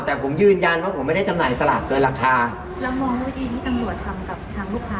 แต่ผมยืนยันว่าผมไม่ได้จำหน่ายสลากเกินราคาแล้วมองด้วยดีที่ตำรวจทำกับทางลูกค้า